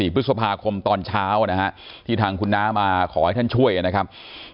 พฤษภาคมตอนเช้านะฮะที่ทางคุณน้ามาขอให้ท่านช่วยนะครับ